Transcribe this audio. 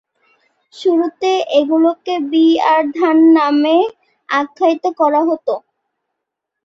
শুরুতে এগুলোকে B R ধান নামে আখ্যায়িত করা হতো।